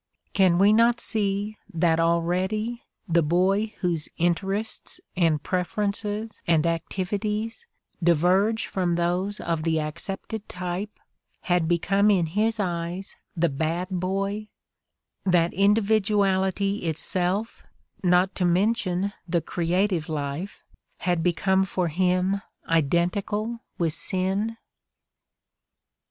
Can we not see that already the boy whose interests and preferences and activities diverge from those of the accepted type had become in his eyes the "bad" boy, that individuality itself, not to mention the creative life, had become for him identical with "sin"?